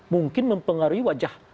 mungkin mempengaruhi wajah